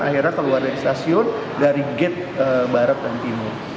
akhirnya keluar dari stasiun dari gate barat dan timur